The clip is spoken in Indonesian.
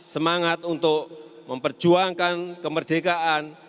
semangat untuk memperjuangkan kemerdekaan